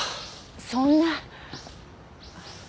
そんな。